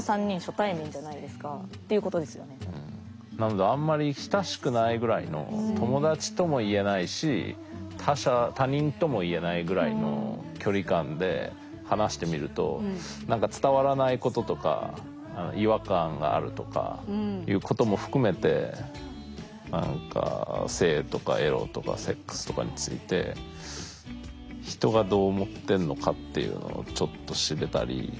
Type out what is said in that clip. なのであんまり親しくないぐらいの友達とも言えないし他人とも言えないぐらいの距離感で話してみると何か伝わらないこととか違和感があるとかいうことも含めて何か性とかエロとかセックスとかについて人がどう思ってんのかっていうのをちょっと知れたり。